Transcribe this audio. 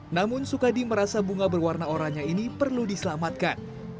namun sukadi merasa bunga berwarna oranya ini perlu diselamatkan